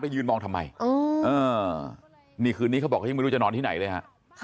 ไปยืนมองทำไมนี่คือนี้เขาบอกไม่รู้จะนอนที่ไหนเลยค่ะ